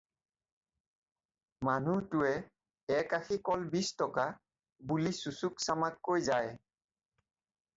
মানুহটোৱে “একআখি কলত বিছ টকা” বুলি চুচুক চামাককৈ যায়।